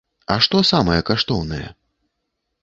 А што самае каштоўнае?